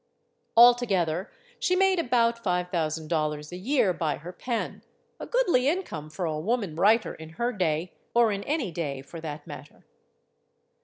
Altogether, she made about five thousand dollars a year by her pen; a goodly income for a woman writer in her day or in any day, for that matter.